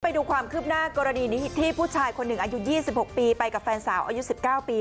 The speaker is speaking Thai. ไปดูความคืบหน้ากรณีนี้ที่ผู้ชายคนหนึ่งอายุ๒๖ปีไปกับแฟนสาวอายุ๑๙ปี